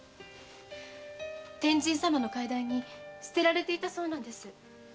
天神様の階段に捨てられていたそうなんです。